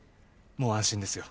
もう安心ですよ。